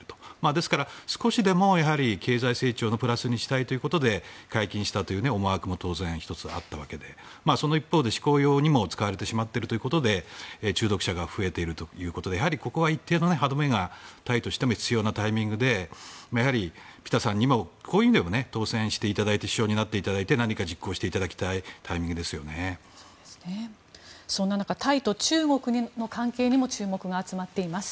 ですから、少しでも経済成長をプラスにしたいということで解禁したという思惑も当然１つあったわけでその一方で嗜好用にも使われてしまっているということで中毒者が増えているということでここは一定の歯止めがタイとしても必要なタイミングでピタさんにもそういう意味でも当選して首相になっていただいて実行していただきたいそんな中タイと中国の関係にも注目が集まっています。